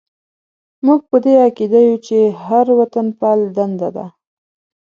موږ په دې عقیده یو چې د هر وطنپال دنده ده.